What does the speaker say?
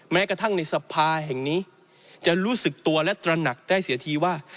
แม้กระทั่งในสภาแห่งนี้จะรู้สึกตัวและตระหนักได้เสียทีว่า